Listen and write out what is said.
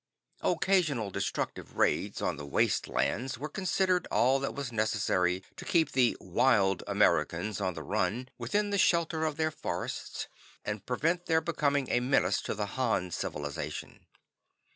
Occasional destructive raids on the waste lands were considered all that was necessary to keep the "wild" Americans on the run within the shelter of their forests, and prevent their becoming a menace to the Han civilization.